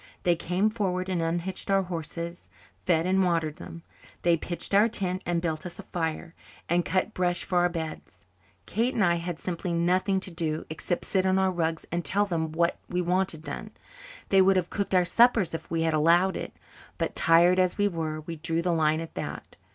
They came forward and unhitched our horses, fed, and watered them; they pitched our tent, and built us a fire, and cut brush for our beds. Kate and I had simply nothing to do except sit on our rugs and tell them what we wanted done. They would have cooked our supper for us if we had allowed it. But, tired as we were, we drew the line at that.